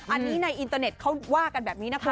อันนี้ในอินเตอร์เน็ตเขาว่ากันแบบนี้นะคุณ